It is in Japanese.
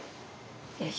よし。